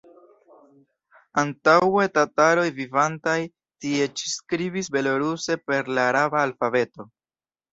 Antaŭe tataroj vivantaj tie ĉi skribis beloruse per la araba alfabeto.